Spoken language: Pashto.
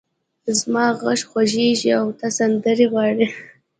زما غږ خوږېږې او ته سندرې غواړې!